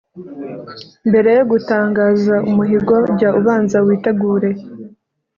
Mbere yo gutangaza umuhigo, jya ubanza witegure,